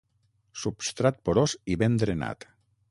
Substrat porós i ben drenat.